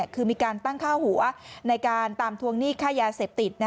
คือมีการตั้งค่าหัวในการตามทวงหนี้ค่ายาเสพติด